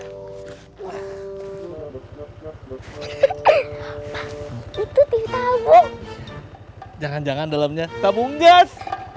itu tipe tabung jangan jangan dalamnya tabung gas